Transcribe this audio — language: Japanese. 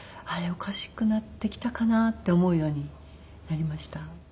おかしくなってきたかな？って思うようになりました。